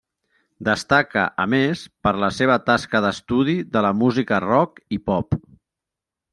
Destaca a més per la seva tasca d'estudi de la música rock i pop.